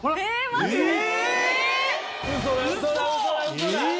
マジで⁉え！